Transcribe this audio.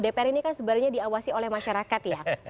dpr ini kan sebenarnya diawasi oleh masyarakat ya